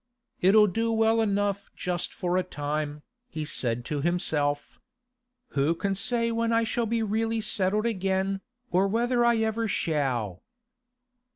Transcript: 'It'll do well enough just for a time,' he said to himself. 'Who can say when I shall be really settled again, or whether I ever shall?